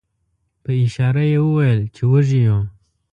په اشاره یې وویل چې وږي یو.